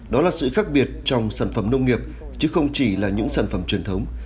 đó là sự khác biệt trong sản phẩm nông nghiệp chứ không chỉ là những sản phẩm truyền thống